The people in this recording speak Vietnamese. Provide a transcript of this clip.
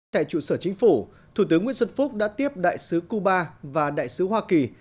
tại trụ sở chính phủ thủ tướng nguyễn xuân phúc đã tiếp đại sứ cuba và đại sứ hoa kỳ